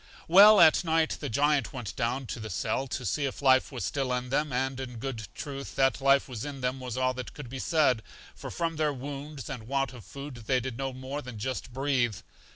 Well, at night the Giant went down to the cell to see if life was still in them, and in good truth that life was in them was all that could be said, for from their wounds and want of food they did no more than just breathe.